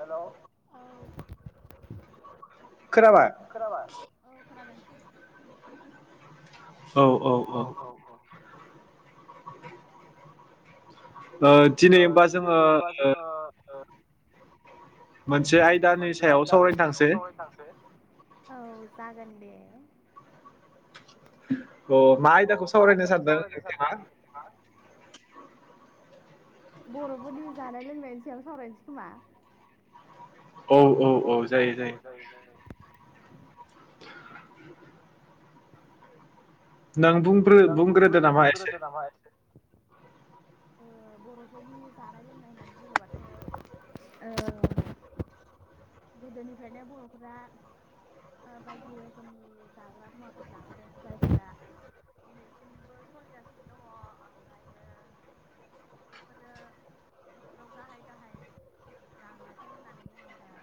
Hello [inaudible] खोनाबाय औ खोनादों। औ औ औ दिनै ओमबा जोङो मोनसे आयदानि सायाव सावरायनो थांसै औ जागोन दे। [inaudible] अ मा आयदाखौ सावरायनो सानदों नोंथाङा? बर'फोरनि जानाय लोंनायनि सायाव सावरायनोसै खोमा? औ औ औ जायो जायो नों बुंग्रो बुंग्रोदो नामा एसे ओ बर'फोरनि जानाय लोंनाय होननानै बुङोबाथ' ओ गोदोनिफ्रायनो बर'फोरा बायदि रोखोमनि जाग्रा मुवाफोर जाबोदों जायफोरा दिनैसिमबो सोलिगासिनो दङ ओमफ्रायो बेफोरो बेफोराव गाहाइ गाहाइ जाग्राफोर होननानै बुङोब्ला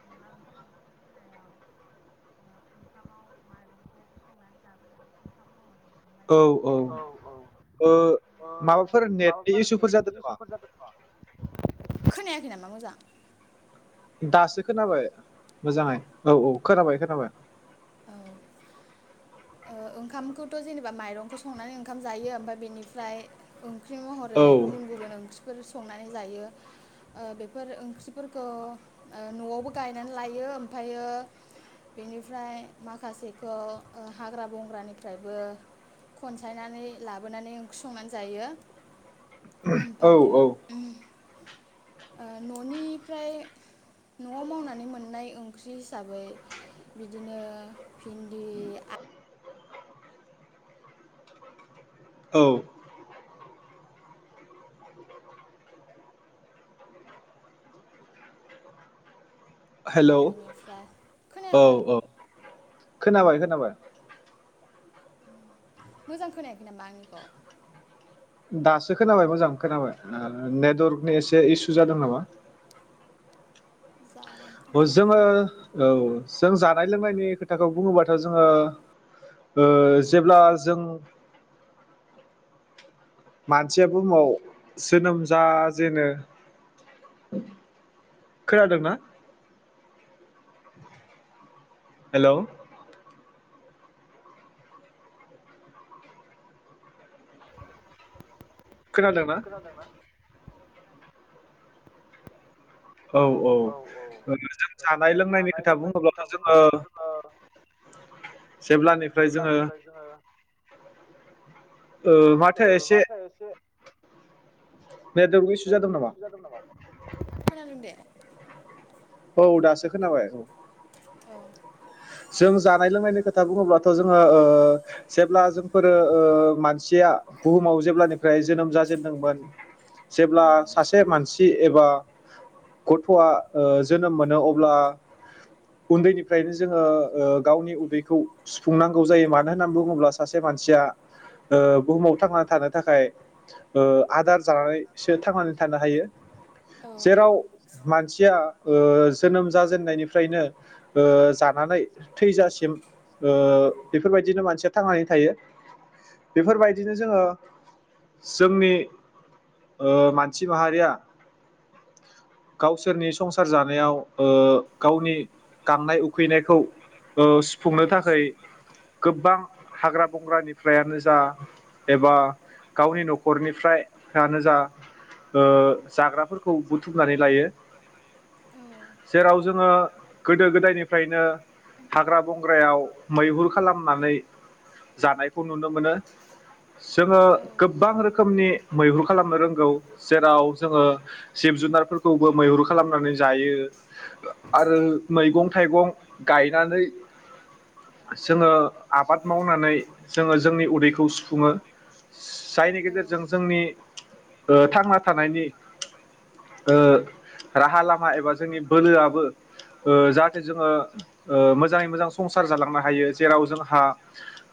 जेनेबा ओंखाम ओंख्रिनि बेलायाव ओंखामाव माइरंखौ संनानै जाबोनाय। औ औ ओ माबाफोर नेटनि इसुफोर जादों नामा? खोनायाखै नामा मोजां? दासो खोनाबाय मोजाङै औ औ खोनाबाय खोनाबाय। ओंखामखौथ' जेनेबा माइरंखौ संनानै ओंखाम जायो ओमफ्राय बेनिफ्राय ओंख्रि महरै गुबुन गुबुन ओंख्रिफोर संनानै जायो ओ बेफोर ओंख्रिफोरखौ ओ न'आवबो गायनानै लायो ओमफ्रायो बेनिफ्राय माखासेखौ ओ हाग्रा बंग्रानिफ्रायबो खनसायनानै लाबोनानै ओंख्रि संनानै जायो। ओमफ्रायो ननिफ्राय नआव मावनानै मोननाय ओंख्रि हिसाबै बिदिनो भिन्दि आ औ हेलौ औ औ खोनाबाय खोनाबाय। [inaudible] मोजां खोनायाखै नामा आंनिखौ? दासो खोनाबाय मोजां खोनाबाय ओ नेटवर्कनि एसे इसु जादों नामा? ओ जोङो औ जों जानाय लोंनायनि खोथाखौ बुङोबा जोङो ओ जेब्ला जों मानसिया बुहुमाव जोनोम जाजेनो खोनादोंना? हेलौ खोनादोंना? औ औ जों जानाय लोंनायनि खोथा बुङोब्लाथ' जोङो जेब्लानिफ्राय जोङो ओ माथो एसे नेटवर्क इसु जादों नामा? खोनादों दे। औ दासो खोनाबाय औ। जों जानाय लोंनायनि खोथा बुङोब्लाथ' जोङो ओ जेब्ला जोंफोरो ओ मानसिया बुहुमाव जेब्लानिफ्राय जोनोम जाजेनदोंमोन जेब्ला सासे मानसि एबा गथ'आ ओ जोनोम मोनो अब्ला उन्दैनिफ्रायनो जोङो ओ गावनि उदैखौ सुफुंनांगौ जायो मानो होनना बुङोब्ला सासे मानसिया ओ बुहुमाव थांनानै थानो थाखाय ओ आदार जानानैसो थांनानै थानो हायो। जेराव मानसिया ओ जोनोम जाजेननायनिफ्रायनो ओ जानानै थैजासिम ओ बेफोरबायदिनो मानसिया थांनानै थायो बेफोरबायदिनो जोङो जोंनि ओ मानसि माहारिया गावसोरनि संसार जानायाव ओ गावनि गांनाय उखैनायखौ ओ सुफुंनो थाखै गोबां हाग्रा बंग्रानिफ्रायानो जा एबा गावनि नखरनिफ्राय यानो जा ओ जाग्राफोरखौ बुथुमनानै लायो। जेराव जोङो गोदो गोदायनिफ्रायनो हाग्रा बंग्रायाव मैहुर खालामनानै जानायखौ नुनो मोनो जोङो गोबां रोखोमनि मैहुर खालामनो रोंगौ जेराव जोङो जिब जुनारफोरखौबो मैहुर खालामनानै जायो आरो मैगं थाइगं गायनानै जोङो आबाद मावनानै जोङो जोंनि उदैखौ सुफुङो। जायनि गेजेरजों जोंनि ओ थांना थानायनि ओ राहा लामा एबा जोंनि बोलोआबो ओ जाहाथे जोङो ओ मोजाङै मोजां संसार जालांनो हायो‌। जेराव जोंहा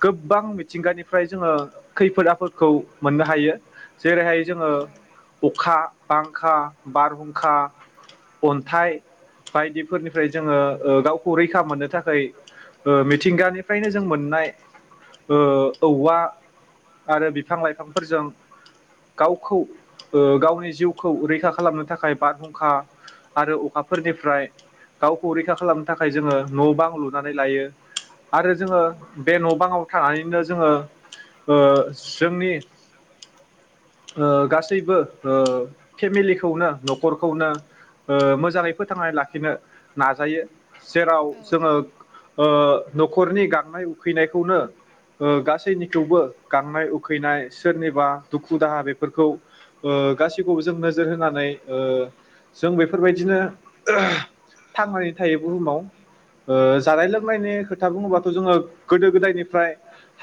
गोबां मिथिंगानिफ्राय जोङो खैफोद आफोदखौ मोननो हायो। जेरैहाय जोङो अखा बांखा बारहुंखा अन्थाइ बायदिफोरनिफ्राय जोङो ओ गावखौ रैखा मोननो थाखै ओ मिथिंगानिफ्रायनो जों मोननाय ओ औवा आरो बिफां लाइफांफोरजों गावखौ ओ गावनि जिउखौ रैखा खालामनो थाखाय बारहुं खा आरो अखाफोरनिफ्राय गावखौ रैखा खालामनो थाखाय जोङो न' बां लुनानै लायो। आरो जोङो बे न' बाङाव थानानैनो जोङो ओ जोंनि ओ गासैबो ओ फेमिलिखौनो नखर खौनो ओ मोजाङै फोथांनानै लाखिनो नाजायो। जेराव जोङो ओ न'खरनि गांनाय उखैनायखौनो ओ गासैनिखौबो गांनाय उखैनाय सोरनिबा दुखु दाहा बेफोरखौ ओ गासैखौबो जों नोजोर होनानै ओ जों बेफोरबायदिनो थांनानै थायो बुहुमाव। ओ जानाय लोंनायनि खोथा बुङोबाथ' जोङो गोदो गोदायनिफ्राय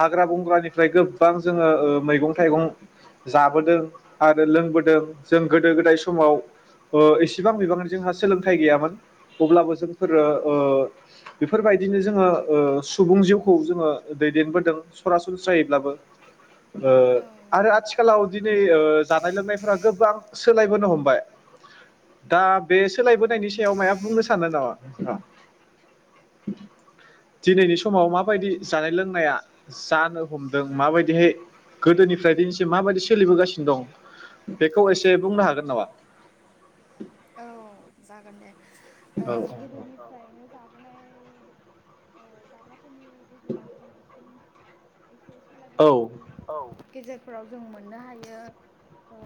हाग्रा बंग्रानिफ्राय गोबां जोङो ओ मैगं थाइगं जाबोदों आरो लोंबोदों जों गोदो गोदाय समाव ओ इसेबां बिबांनि जोंहा सोलोंथाइ गैयामोन। अब्लाबो जोंफोरो ओ बेफोरबायदिनो जोङो ओ सुबुं जिउखौ जोङो दैदेनबोदों सरासनस्रायैब्लाबो ओ आरो आथिखालाव दिनै ओ जानाय लोंनायफोरा गोबां सोलायबोनो हमबाय। दा बे सोलायबोनायनि सायाव मायबा बुंनो सानो नामा? दिनैनि समाव माबायदि जानाय लोंनाया जानो हमदों माबायदिहाय गोदोनिफ्राय दिनैसिम माबायदि सोलिबोगासिनो दं बेखौ एसे बुंनो हागोन नामा? औ जागोन दे ओ गोदोनिफ्रायनो जा लाबोनाय जाग्राफोरनि गेजेराव दिनैसिम। एसे सलायबोनायनि औ। गेजेरफोराव जों मोननो हायो। ओ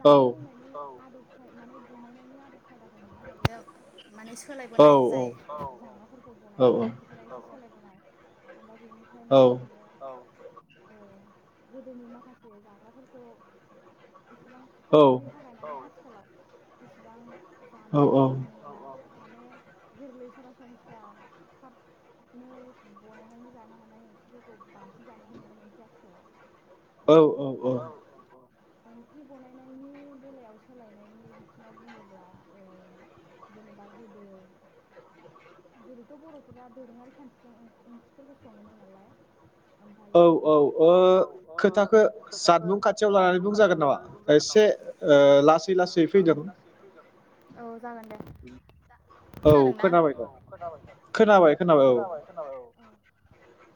जानाय लोंनायनि औ आदब माने बनाय नि आदब खायदाखौ मोननो हायो। माने सोलायबोनाय जाय औ-औ जाग्राफोरखौ बानायनाय खान्थिफोरा सोलाय ओमफ्राय बेनिफ्राय मोननो हायो। औ ओ गोदोनि माखासे जाग्राफोरखौ गोबां खस्त नि थाखाय माने औ [inaudible] इसेबां जानायफोरखौबो नुनो मोनो औ-औ माने गोरलै सरासनस्रा थाबनो बनायनानै जानो हानाय ओंख्रिफोरखौ बांसिन जानायखौ नुनो मोनसै आथिखालाव। [inaudible] औ औ औ ओंख्रि बनायनायनि बेलायाव सोलायनायनि बिथिं सिङाव बुङोब्ला जेनेबा गोदो गोदोथ बरफोरा दोरोङारि खान्थिजों ओंख्रिफोरखौ सङोमोन नालाय औ -औ ओ खोथाखो जानबुं खाथियाव लानानै बुंजागोन नामा एसे लासै लासै फैदों। औ जागोन दे खोनादोंना औ खोनाबाय दे खोनाबाय खोनाबाय औ।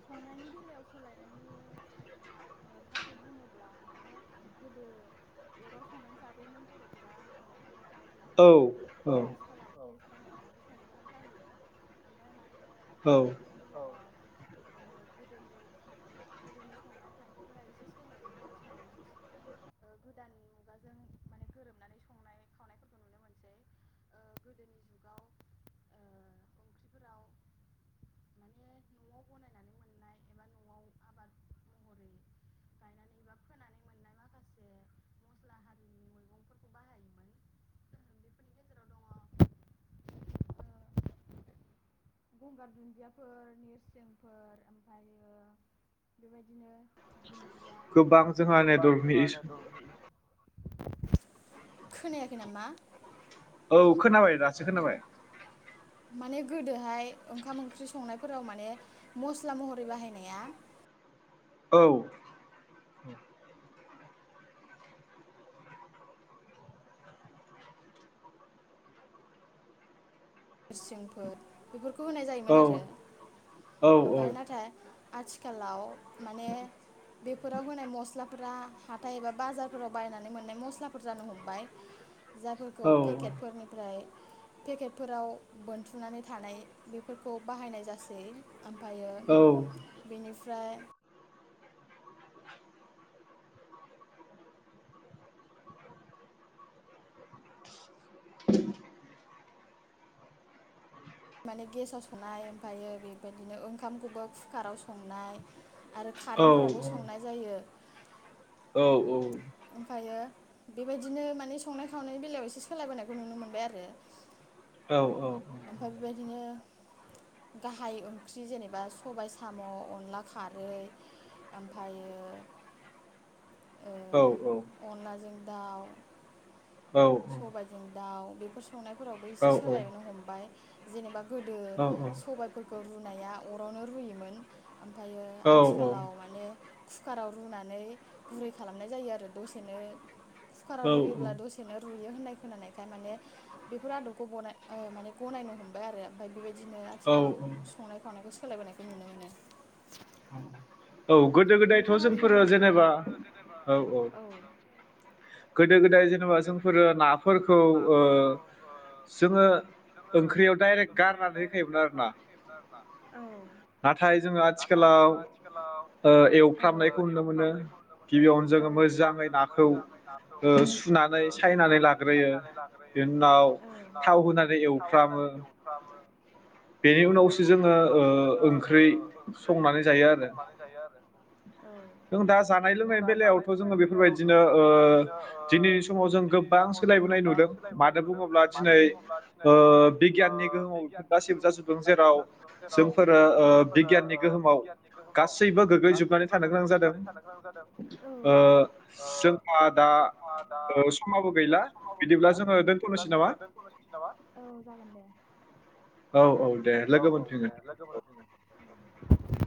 संनायनि बेलायाव सोलायनायनि फारसे बुङोब्ला माने गोदो अराव संनानै जाबोयोमोन बर' फोरा। औ -औ बाहायनानै संबोनाय जायो ओमफ्राय माने [inaudible] औ ओ गोदोनि खानथि गोदोनि संनाय खान्थिफोरा एसे सोलायनानै आथिखालाव एसे गोदान मुगाजों माने गोरोबनानै गंगार दुन्दियाफोर निरसमफोर ओमफ्रायो बेबायदिनो दोनदिया [unintelligible] खोनायाखै नामा। औ खोनाबाय दासो खोनाबाय। माने गोदो हाय ओंखाम ओंख्रि संनाय फोराव माने मस्ला महरै बाहायनाया औ नोरसिंफोर बेफोरखौ खौ होनाय जायोमोन आरो ओमफ्राय नाथाय आथिखालाव माने बेफोराव होनाय मस्लाफोरा हाथाय एबा बाजारफोराव बायनानै मोननाय मस्लाफोर जानो हमबाय। जाबोरखौ पेकेटफोरनिफ्राय पेकेटफोराव बोनथुमनानै थानाय बेफोरखौ बाहायनाय जासै। ओमफायो बेफ फ्राय [inaudible] माने गेसाव संनाय ओमफायो बेबायदिनो ओंखामखौबो खुकाराव संनाय आरो कारेन्टफोरावबो संनाय जायो। औ औ। ओमफायो बेबायदिनो माने संनाय खावनायनि बेलायाव एसे सोलायबोनायखौ नुनो मोनबाय आरो। औ औ। ओमफाय बेबायदिनो गाहाय ओंख्रि जेनेबा सबायाइ साम अनला खारै ओमफायो औ औ। सबाइजों दाउ। बेफोर स खावनायफोरावबो एसे सोलायनो हमबाय। जेनेबा गोदो सबायफोरखौ रुनाया अरावनो रुयोमोन ओमफायो आथिखालाव माने खुकाराव रुनानै गुरै खालामनाय जायो आरो दसेनो। खुकाराव रुयोब्ला दसे रुयो होननाय खोनानायखाय माने बेफोर आदबखौ गनाय ओ माने गनायनो हमबाय आरो ओमफाय बेबायदि बिदिनो आथिखालाव संनाय खावनायखौ स सोलायबोनायखौ नुनो मोनो। [inaudible] औ गोदो गोदायथ' जोंफोरो जेनेबा औ औ गोदो-गोदाय जेनेबा जोंफोरो नाफोरखौ ओ जोङो ओंख्रियाव डायरेक्ट गारनानै होखायोमोन आरो ना नाथाय जोङो आथिख थाय जोङो आथिखालाव ओ एवफ्रामनायखौ नुनो मोनो गिबियावनो जोङो मोजाङै नाखौ ओ सुनानै सायनानै लाग्रोयो बेनि उनाव थाव होनानै एवफ्रामो बेनि उनावसो जोङो ओ ओंख्रि संनानै जायो आरो। जों दा जानाय लोंनायनि बेलायावथ' जोङो बेफोरबायदिनो ओ दिनैनि समाव जों गोबां सोलायबोनाय नुदों मानो बुङोब्ला दिनै ओ बिगियाननि गोहोमाव बेफोर गासैबो जाजोबदों जेराव जोंफोरो ओ बिगियाननि गोहोमाव गासैबो गो गैजोबनानै थानो गोनां [unintelligible] जादों थनो गोनां जादों ओ जोंहा दा समाबो गैला बिदिब्ला जोङो दोनथलायनोसै नामा? औ औ औ औ दे लोग मनफिनगोन। [inaudible]